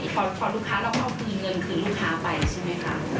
พอลูกค้าแล้วเขาเอาคือเงินคือลูกค้าไปใช่มั้ยครับ